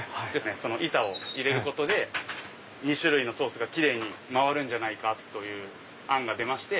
板を入れることで２種類のソースがキレイに回るんじゃないかという案が出まして。